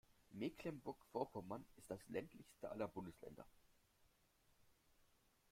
Mecklenburg-Vorpommern ist das ländlichste aller Bundesländer.